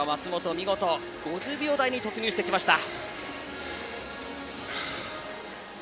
見事、５０秒台に突入してきました。